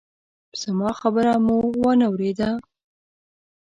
زما خبره مو وانه ورېده!